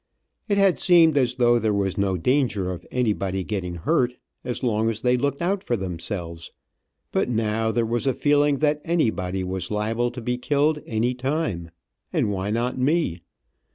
It had seemed as though there was no danger of anybody getting hurt, as long as they looked out for themselves, but now there was a feeling that anybody was liable to be killed, any time, and why not me?